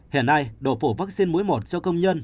hiện nay độ phổ vaccine mũi một cho công nhân